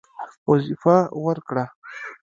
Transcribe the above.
وظیفه ورکړه.